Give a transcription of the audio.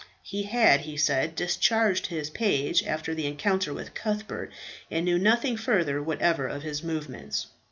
"He had," he said, "discharged his page after the encounter with Cuthbert, and knew nothing further whatever of his movements."